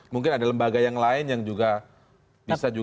mungkin ada lembaga yang lain yang juga bisa